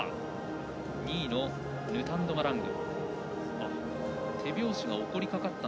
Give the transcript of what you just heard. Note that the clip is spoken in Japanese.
２位のヌタンド・マラング。